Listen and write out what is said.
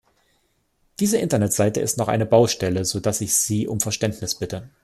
Diese Internetseite ist noch eine Baustelle, so dass ich Sie um Verständnis bitte.